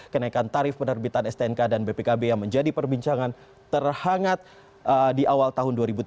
kenaikan tarif penerbitan stnk dan bpkb yang menjadi perbincangan terhangat di awal tahun dua ribu tujuh belas